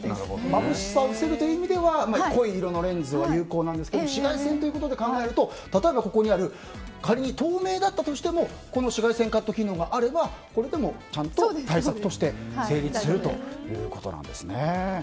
まぶしさを防ぐという意味では濃い色のレンズは有効なんですけれども紫外線ということで考えると例えばここにある仮に透明だったとしてもこの紫外線カット機能があればこれでもちゃんと対策として成立するということなんですね。